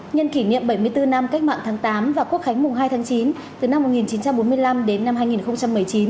nhân kỷ niệm bảy mươi bốn năm cách mạng tháng tám và quốc khánh mùng hai tháng chín từ năm một nghìn chín trăm bốn mươi năm đến năm hai nghìn một mươi chín